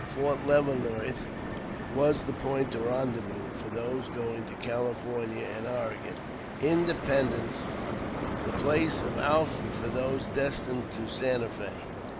Fort Leavenworth was the point of rendezvous for those going to California and Oregon; Independence the place of outfit for those destined to Santa Fe.